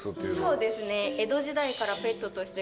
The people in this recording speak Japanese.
そうですね。えっ！？